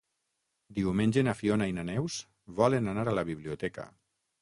Diumenge na Fiona i na Neus volen anar a la biblioteca.